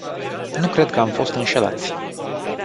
Nu cred că am fost înșelați.